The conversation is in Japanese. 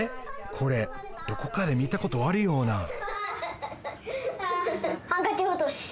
これどこかで見たことあるようなハンカチおとし。